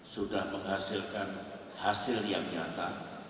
sudah menghasilkan hasil yang nyata